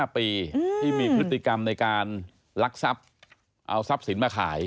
๕ปีที่มีพฤติกรรมในการลักทรัพย์เอาทรัพย์สินมาขาย